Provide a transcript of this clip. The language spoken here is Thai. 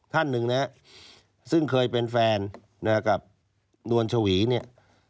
ท่านหนึ่งนะฮะซึ่งเคยเป็นแฟนกับนวลชวีเนี่ย